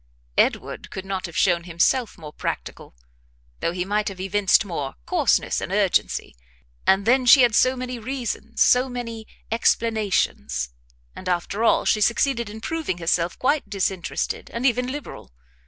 Edward could not have shown himself more practical, though he might have evinced more coarseness and urgency; and then she had so many reasons, so many explanations; and, after all, she succeeded in proving herself quite disinterested and even liberal.